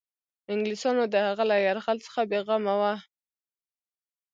انګلیسیانو د هغه له یرغل څخه بېغمه وه.